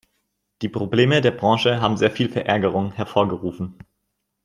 Die Probleme der Branche haben sehr viel Verärgerung hervorgerufen.